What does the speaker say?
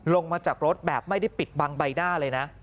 ลงมาจากรถแบบไม่ได้ปิดบังใบหน้าเลยนะ